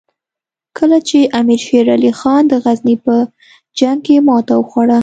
کله چې امیر شېر علي خان د غزني په جنګ کې ماته وخوړه.